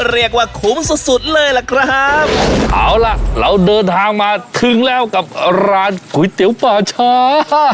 ขุมสุดสุดเลยล่ะครับเอาล่ะเราเดินทางมาถึงแล้วกับร้านก๋วยเตี๋ยวป่าช้า